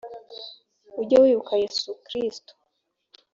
ujye wibuka yesu kristo